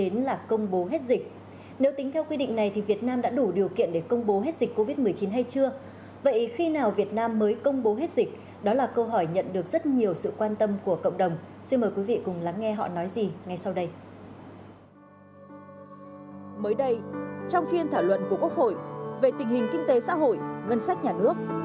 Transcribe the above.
mới đây trong phiên thảo luận của quốc hội về tình hình kinh tế xã hội ngân sách nhà nước